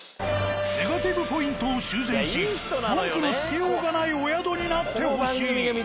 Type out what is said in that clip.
ネガティブポイントを修繕し文句のつけようがないお宿になってほしい。